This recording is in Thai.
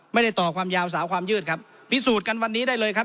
ต่อความยาวสาวความยืดครับพิสูจน์กันวันนี้ได้เลยครับ